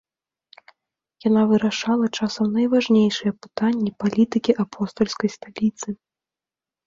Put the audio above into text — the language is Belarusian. Яна вырашала часам найважнейшыя пытанні палітыкі апостальскай сталіцы.